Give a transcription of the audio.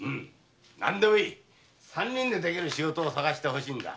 何でもいい三人でできる仕事を探して欲しいのだ。